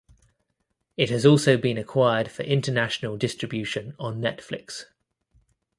It has also been acquired for international distribution on Netflix.